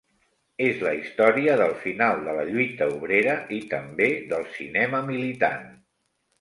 És la història del final de la lluita obrera i també del cinema militant.